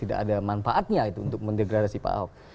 tidak ada manfaatnya itu untuk mendegradasi pak ahok